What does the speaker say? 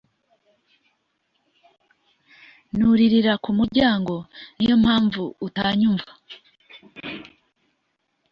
Nuririra kumuryango niyo mpamvu utanyumva